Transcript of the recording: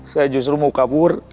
saya justru mau kabur